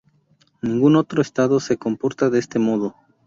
Ningún otro Estado se comporta de este modo.